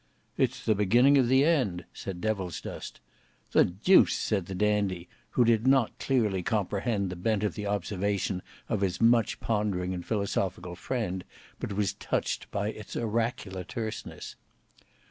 "It's the beginning of the end," said Devilsdust. "The deuce!" said the Dandy, who did not clearly comprehend the bent of the observation of his much pondering and philosophic friend, but was touched by its oracular terseness.